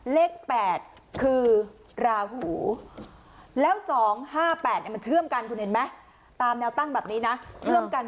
เลข๘คือราหูแล้ว๒๕๘มันเชื่อมกันคุณเห็นไหมตามแนวตั้งแบบนี้นะเชื่อมกัน